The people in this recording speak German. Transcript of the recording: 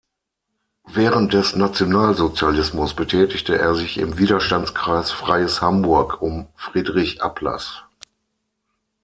Während des Nationalsozialismus betätigte er sich im Widerstandskreis "Freies Hamburg" um Friedrich Ablass.